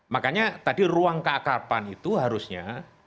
makanya tadi ruang keakrapan itu harusnya